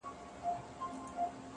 هره ناکامي د بیا هڅې پیغام دی!